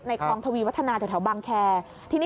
ในองค์ทวีพิวัฒนาแถวบังแคล